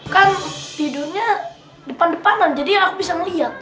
kan tidurnya depan depanan jadi aku bisa melihat